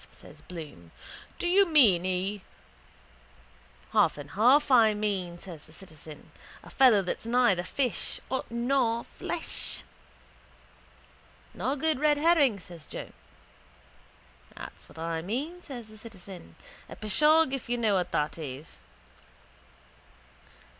says Bloom. Do you mean he... —Half and half I mean, says the citizen. A fellow that's neither fish nor flesh. —Nor good red herring, says Joe. —That what's I mean, says the citizen. A pishogue, if you know what that is.